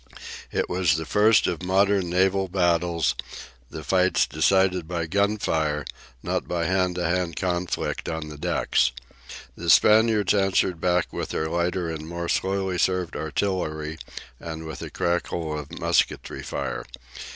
It was the first of modern naval battles, the fights decided by gunfire, not by hand to hand conflict on the decks. The Spaniards answered back with their lighter and more slowly served artillery, and with a crackle of musketry fire.